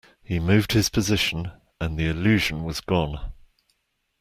He moved his position, and the illusion was gone.